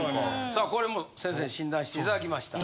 さあこれも先生に診断していただきました。